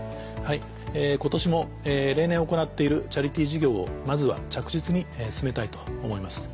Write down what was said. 今年も例年行っているチャリティー事業をまずは着実に進めたいと思います。